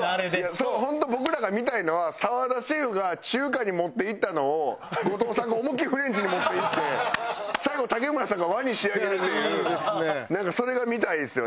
本当僕らが見たいのは澤田シェフが中華に持っていったのを後藤さんが思いっきりフレンチに持っていって最後竹村さんが和に仕上げるっていうなんかそれが見たいんですよね。